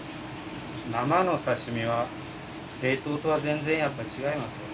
生の刺身は冷凍とは全然やっぱり違いますよね。